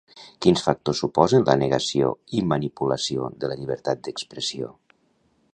Quins factors suposen la negació i manipulació de la llibertat d'expressió?